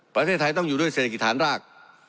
ประเทศไทยต้องอยู่ด้วยเศรษฐกิจฐานราก